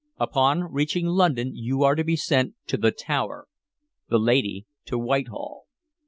Upon reaching London, you are to be sent to the Tower, the lady to Whitehall.